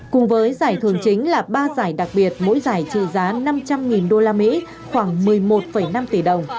cùng với giải thưởng chính là ba giải đặc biệt mỗi giải trị giá năm trăm linh đô la mỹ khoảng một mươi một năm tỷ đồng